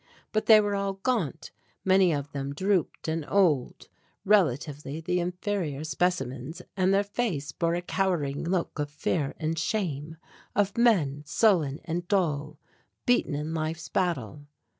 But they were all gaunt, many of them drooped and old, relatively the inferior specimens and their faces bore a cowering look of fear and shame, of men sullen and dull, beaten in life's battle.